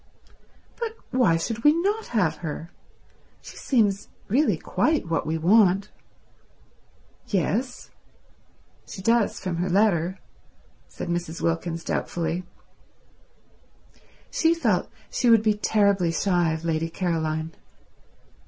"But why should we not have her? She seems really quite what we want." "Yes—she does from her letter," said Mrs. Wilkins doubtfully. She felt she would be terribly shy of Lady Caroline.